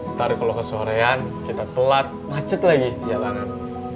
ntar kalau ke sorean kita telat macet lagi jalanan